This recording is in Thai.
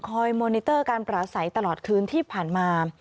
โมนิเตอร์การปราศัยตลอดคืนที่ผ่านมา